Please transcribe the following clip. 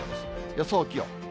予想気温。